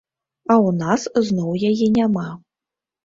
А ў нас зноў яе няма.